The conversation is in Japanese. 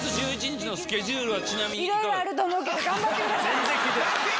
全然聞いてない！